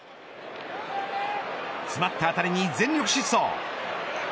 詰まった当たりに全力疾走。